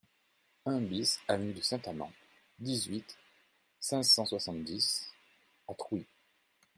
un BIS avenue de Saint-Amand, dix-huit, cinq cent soixante-dix à Trouy